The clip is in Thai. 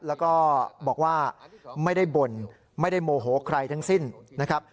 แล้วก็บอกว่าไม่ได้บ่นไม่ได้โมโหใครทั้งสิ้นนะครับ